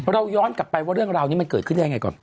ย้อนกลับไปว่าเรื่องราวนี้มันเกิดขึ้นได้ยังไงก่อน